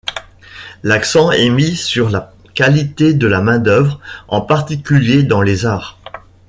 L'accent est mis sur la qualité de la main-d'œuvre, en particulier dans les arts.